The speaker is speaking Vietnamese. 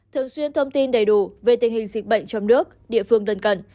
thường xuyên thông tin đầy đủ về tình hình dịch bệnh trong nước địa phương đơn cận